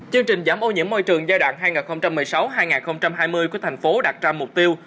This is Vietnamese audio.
chương trình giảm ô nhiễm môi trường giai đoạn hai nghìn một mươi sáu hai nghìn hai mươi của thành phố đặt ra mục tiêu